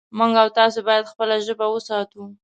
موږ او تاسې باید خپله ژبه وساتو